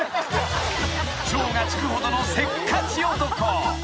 ［超がつくほどのせっかち男］